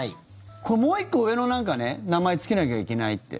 これ、もう１個上の名前をつけなきゃいけないって。